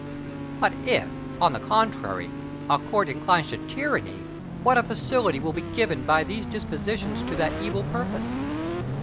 But if, on the contrary, a court inclines to tyranny, what a facility will be given by these dispositions to that evil purpose?